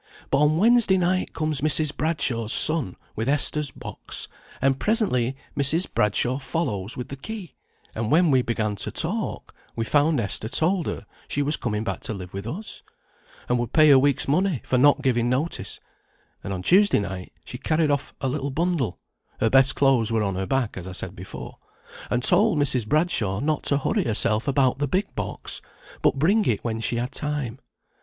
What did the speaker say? But on Wednesday night comes Mrs. Bradshaw's son with Esther's box, and presently Mrs. Bradshaw follows with the key; and when we began to talk, we found Esther told her she was coming back to live with us, and would pay her week's money for not giving notice; and on Tuesday night she carried off a little bundle (her best clothes were on her back, as I said before), and told Mrs. Bradshaw not to hurry herself about the big box, but bring it when she had time.